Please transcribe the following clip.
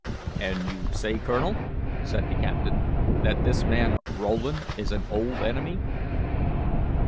"And you say, colonel," said the captain, "that this man Rowland is an old enemy?"